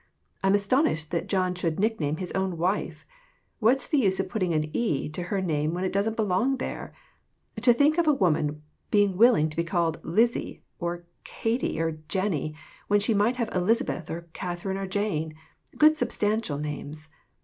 I'm astonished that John should nick name his own wife! What is the use of putting an "ie" to her name when it doesn't belong there ? To think of a woman being willing to be called "Lizzie," or "Katie," or "Jennie," when she might have "Elizabeth," or " Katherine," or "Jane" good substantial names.